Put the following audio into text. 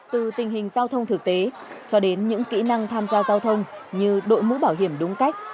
từ tình hình giao thông thực tế cho đến những kỹ năng tham gia giao thông như đội mũ bảo hiểm đúng cách